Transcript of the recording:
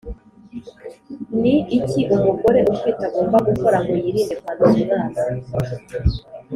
Ni iki umugore utwite agomba gukora ngo yirinde kwanduza umwana